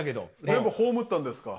全部葬ったんですか？